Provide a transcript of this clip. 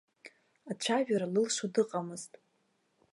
Ацәажәара лылшо дыҟамызт.